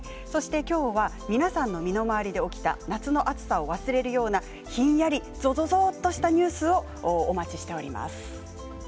今日は皆さんの身の回りで起きた夏の暑さを忘れるようなひんやりゾゾゾッとしたニュースをお待ちしています。